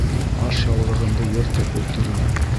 Ашъяулығымды йыртып ултырыр.